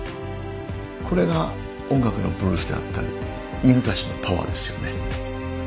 これが音楽のブルースであったり犬たちのパワーですよね。